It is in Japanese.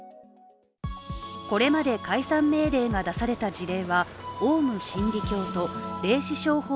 これまで解散命令が出された事例はオウム真理教と霊視商法